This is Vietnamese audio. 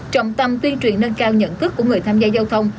trọng tâm tuyên truyền nâng cao nhận thức của người tham gia giao thông